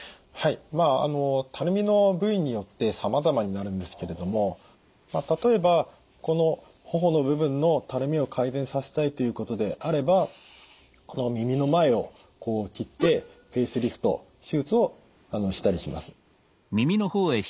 まあたるみの部位によってさまざまになるんですけれども例えばこの頬の部分のたるみを改善させたいということであればこの耳の前をこう切ってフェイスリフト手術をしたりします。